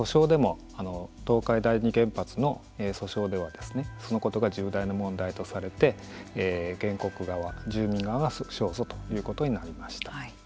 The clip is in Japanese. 東海第二原発の訴訟ではそのことが重大な問題とされて原告側住民側が勝訴ということになりました。